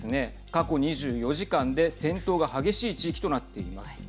過去２４時間で、戦闘が激しい地域となっています。